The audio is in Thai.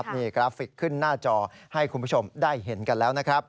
นี่กราฟิกขึ้นหน้าจอให้คุณผู้ชมได้เห็นกันแล้วนะครับ